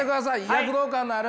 躍動感のある！